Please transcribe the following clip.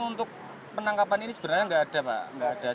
untuk penangkapan ini sebenarnya nggak ada pak